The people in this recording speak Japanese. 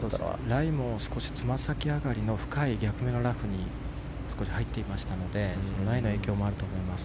ライもつま先下がりの深い逆目のラフに入っていましたのでライの影響もあると思います。